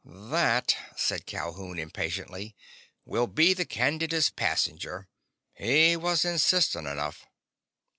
"That," said Calhoun impatiently, "will be the Candida's passenger. He was insistent enough."